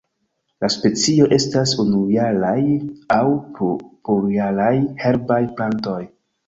La specioj estas unujaraj aŭ plurjaraj herbaj plantoj.